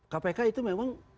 kpk itu memang